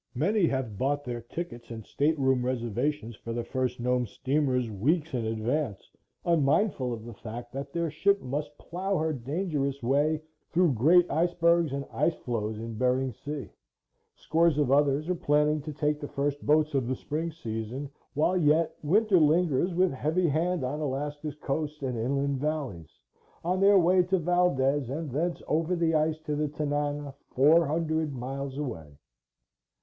Many have bought their tickets and stateroom reservations for the first Nome steamers, weeks in advance, unmindful of the fact that their ship must plough her dangerous way through great icebergs and ice floes in Bering Sea. Scores of others are planning to take the first boats of the spring season, while yet winter lingers with heavy hand on Alaska's coast and inland valleys, on their way to Valdez and thence over the ice to the Tanana, four hundred miles away.